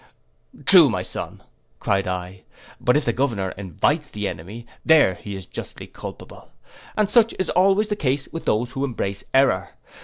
'True, my son,' cried I; 'but if the governor invites the enemy, there he is justly culpable. And such is always the case with those who embrace error.